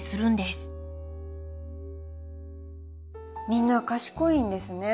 みんな賢いんですね。